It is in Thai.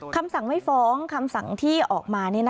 คำสั่งไม่ฟ้องคำสั่งที่ออกมา